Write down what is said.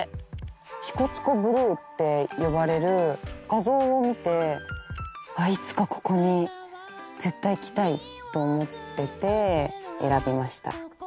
支笏湖ブルーって呼ばれる画像を見ていつかここに絶対来たいと思ってて選びました。